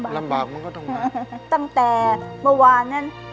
ตั้งแต่เมื่อวานนั้น